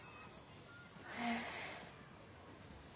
へえ。